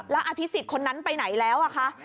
แล้วอภิษฎคนนั้นไปไหนแล้วอะคะ